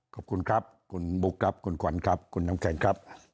ขอบคุณครับคุณบุ๊คครับคุณขวัญครับคุณน้ำแข็งครับ